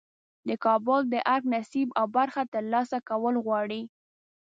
د کابل د ارګ نصیب او برخه ترلاسه کول غواړي.